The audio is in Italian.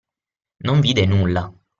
Non vide nulla.